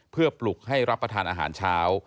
เพื่อปลุกให้รับประทานอาหารเช้า